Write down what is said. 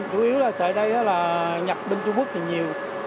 chủ yếu là sợi dây đây là nhập bên trung quốc thì nhiều